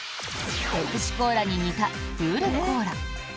ペプシコーラに似たクールコーラ。